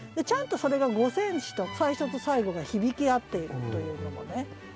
ちゃんとそれが「五線紙」と最初と最後が響き合っているというのもね。